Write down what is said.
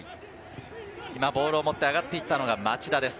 今ボールを持って上がっていたのが町田です。